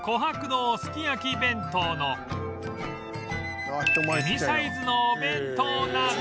すき焼き弁当のミニサイズのお弁当など